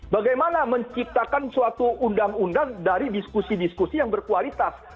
bagaimana menciptakan suatu undang undang dari diskusi diskusi yang berkualitas